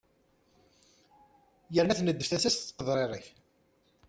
yerna tneddef tasa-s tettqeḍririf